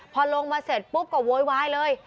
พอลงมาเสร็จปุ๊บก็โวยวายเลย